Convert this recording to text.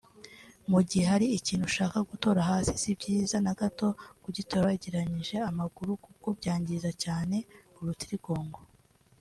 Mu gihe hari ikintu ushaka gutora hasi si byiza na gato kugitora wegeranije amaguru kuko byangiza cyane urutitigongo